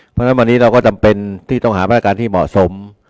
เพราะฉะนั้นวันนี้เราก็จำเป็นที่ต้องหามาตรการที่เหมาะสม